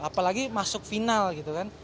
apalagi masuk final gitu kan